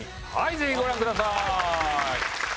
ぜひご覧ください！